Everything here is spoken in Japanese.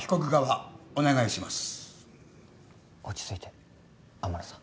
落ち着いて天野さん。